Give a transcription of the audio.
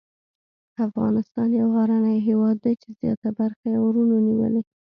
افغانستان یو غرنی هېواد دی چې زیاته برخه یې غرونو نیولې.